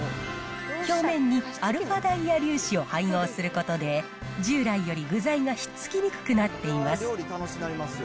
表面にアルファダイヤ粒子を配合することで、従来より具材がひっつきにくくなっています。